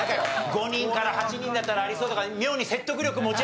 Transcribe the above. ５人から８人だったらありそうとか妙に説得力持ちやがったからな。